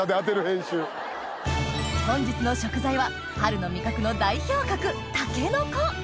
本日の食材は春の味覚の代表格タケノコ